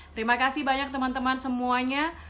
terima kasih banyak teman teman semuanya